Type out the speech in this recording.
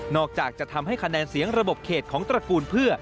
อกจากจะทำให้คะแนนเสียงระบบเขตของตระกูลเพื่อ